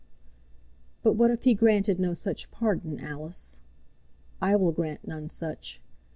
"But what if he granted no such pardon, Alice? I will grant none such.